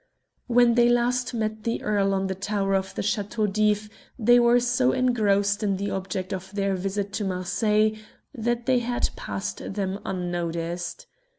When they last met the earl on the tower of the Chateau d'If they were so engrossed in the object of their visit to Marseilles that he had passed them unnoticed.